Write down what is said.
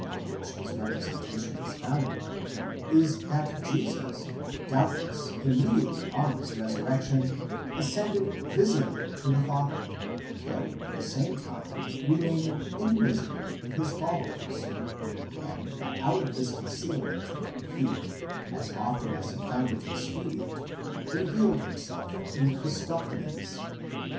20) : it is evident that the latent idea, on which his representation is founded, is that Jesus, doubtless immediately on his resurrection, ascended invisibly to the Father, though at the same time remaining invisibly with his followers ; and that out of this concealment he, as often as he found it expedient, revealed himself in Christophanies.